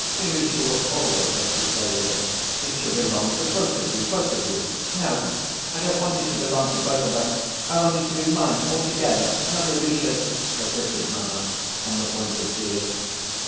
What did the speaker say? Ilusha will always let you play with it; it shall belong to both of you, both of you." "No, I don't want it to belong to both of us, I want it to be mine altogether, not Ilusha's," persisted mamma, on the point of tears.